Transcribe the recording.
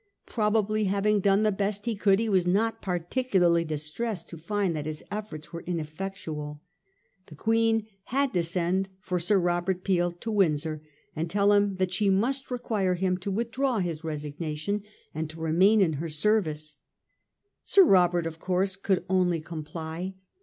Probably, having done the best he could, he was not particularly distressed to find that his efforts were in effectual. The Queen had to send for Sir Robert Peel to Windsor and tell him that she must require him to withdraw his resignation and to remain in her service. Sir Robert of course could only comply.